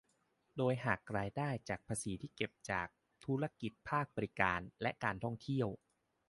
โดยหักรายได้จากภาษีที่เก็บจากธุรกิจภาคบริการและการท่องเที่ยว